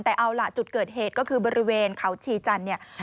แต่เอาล่ะจุดเกิดเหตุก็คือบริเวณเขาชีจันทร์เนี่ย